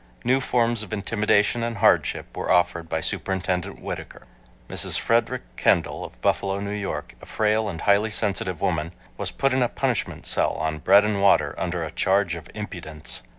New forms of intimidation and hardship were offered by Superintendent Whittaker. Mrs. Frederick Kendall of Buffalo, New York, a frail and highly sensitive woman, was put in a "punishment cell" on bread and water, under a charge of "impudence."